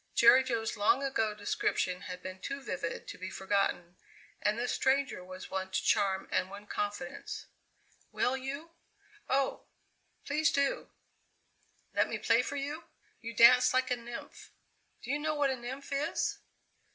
Jerry Jo's long ago description had been too vivid to be forgotten, and this stranger was one to charm and win confidence. "Will you oh! please do let me play for you? You dance like a nymph. Do you know what a nymph is?"